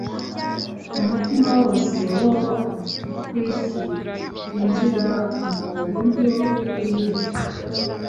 Mu mutima wose wo ku isi winjira mu buryo bwimbitse